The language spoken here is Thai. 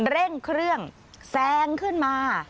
เร่งเครื่องแซงขึ้นมา